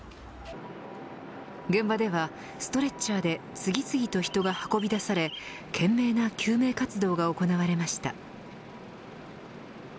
現場では、ストレッチャーで次々と人が運び出され懸命な救命活動が行われました。